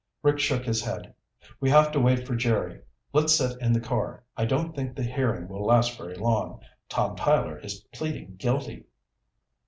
Rick shook his head. "We have to wait for Jerry. Let's sit in the car. I don't think the hearing will last very long. Tom Tyler is pleading guilty."